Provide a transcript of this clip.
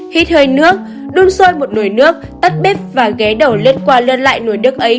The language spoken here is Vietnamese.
hít hơi nước đun sôi một nồi nước tắt bít và ghé đầu lướt qua lơn lại nồi nước ấy